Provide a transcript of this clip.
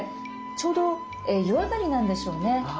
ちょうど湯上がりなんでしょうね。